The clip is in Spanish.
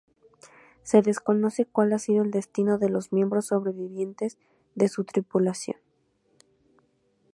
Se desconoce cuál ha sido el destino de los miembros sobrevivientes de su tripulación.